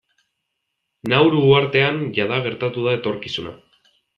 Nauru uhartean jada gertatu da etorkizuna.